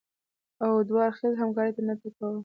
او دوه اړخیزې همکارۍ نټه کوله